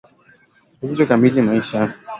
pazito kamili ya maisha na aina mpya ya